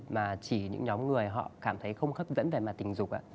mà chỉ những nhóm người họ cảm thấy không hấp dẫn về mặt tình dục